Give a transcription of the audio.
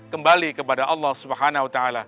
kembali kepada allah swt